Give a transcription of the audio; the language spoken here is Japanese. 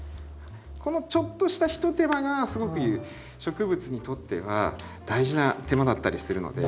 このちょっとしたひと手間がすごく植物にとっては大事な手間だったりするので。